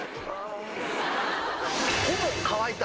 ほぼ乾いた。